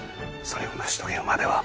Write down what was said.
それを成し遂げるまでは。